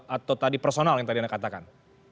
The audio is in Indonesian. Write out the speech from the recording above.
atau tadi personal yang tadi anda katakan